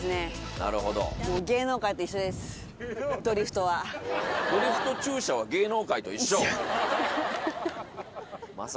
なるほどドリフト駐車は芸能界と一緒？